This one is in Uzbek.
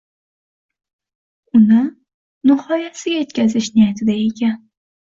Uni nihoyasiga yetkazish niyatida ekan